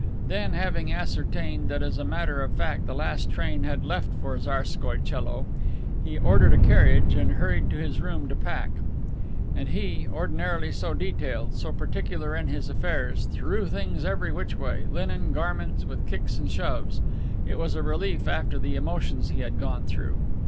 Then, having ascertained that as a matter of fact the last train had left for Tsarskoie Coelo, he ordered a carriage and hurried to his room to pack. And he, ordinarily so detailed, so particular in his affairs, threw things every which way, linen, garments, with kicks and shoves. It was a relief after the emotions he had gone through.